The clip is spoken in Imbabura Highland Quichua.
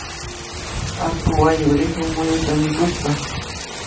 Allku wañukrikun miyuta mikushpa